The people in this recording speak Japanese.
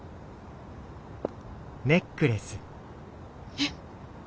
えっ？